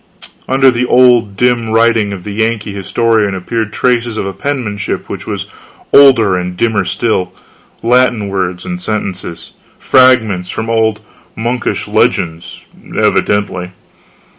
Under the old dim writing of the Yankee historian appeared traces of a penmanship which was older and dimmer still Latin words and sentences: fragments from old monkish legends, evidently.